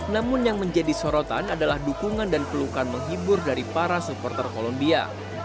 namun yang menjadi sorotan adalah dukungan dan pelukan menghibur dari para supporter kolombia